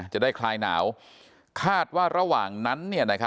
คลายหนาวคาดว่าระหว่างนั้น